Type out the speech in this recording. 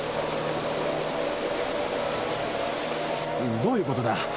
どういうことだ？